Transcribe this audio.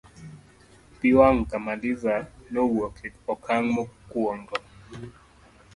pi wang' Kamaliza nowuok e okang' mokuongo